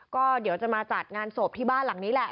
ก็เดี๋ยวจะมาจัดงานศพที่บ้านหลังนี้แหละ